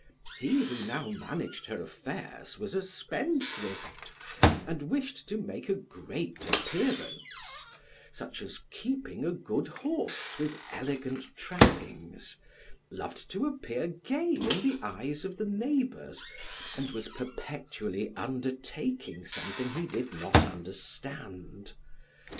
He who now managed her affairs was a spendthrift, and wished to make a great appearance; such as keeping a good horse with elegant trappings; loved to appear gay in the eyes of the neighbors, and was perpetually undertaking something he did not understand.